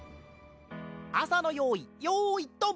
「朝の用意よーいドン」